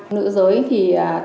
nữ giới thì